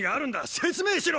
説明しろ！